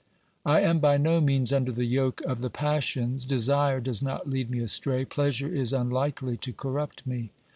I am by no means under the yoke of the passions ; desire does not lead me astray, pleasure is unlikely to corrupt me.